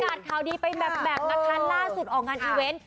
ประกาศขาวดีไปแบบมาทันล่าสุดออกงานอีเวนท์